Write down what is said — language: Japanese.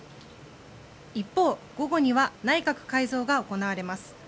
一方、午後には内閣改造が行われます。